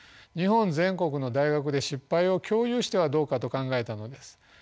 日本全国の大学で失敗を共有してはどうかと考えたのです。